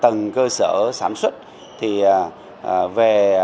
thì chúng tôi phải làm sao để đạt được các tiêu chuẩn về môi trường